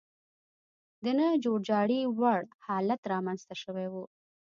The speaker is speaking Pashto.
د نه جوړجاړي وړ حالت رامنځته شوی و.